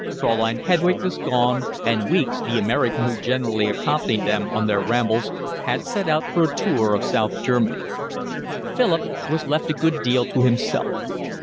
Fraulein Hedwig was gone, and Weeks, the American who generally accompanied them on their rambles, had set out for a tour of South Germany. Philip was left a good deal to himself.